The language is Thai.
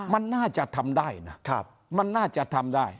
มันน่าจะทำได้นะมันน่าจะทำได้